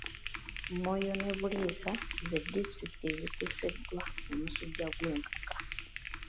Moyo ne Buliisa ze disitulikiti ezikoseddwa omusujja gw'enkaka.